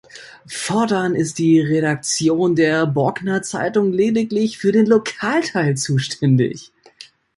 Fortan ist die Redaktion der Borkener Zeitung lediglich für den Lokalteil zuständig.